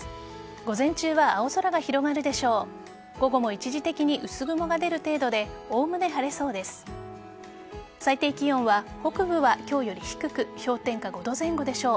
午前中は青空が広がるでしょう。